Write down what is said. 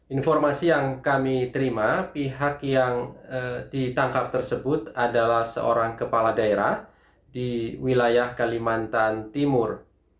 informasi yang kami terima pihak yang ditangkap tersebut adalah seorang kepala daerah di wilayah kalimantan timur